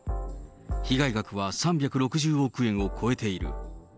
被害額は３６０億円を超えている。